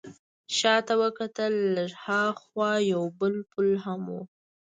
شا ته وکتل، لږ ها خوا یو بل پل هم و.